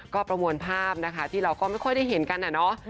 ก็ประมวลภาพนะคะที่เราก็ไม่ค่อยได้เห็นกันอะเนาะ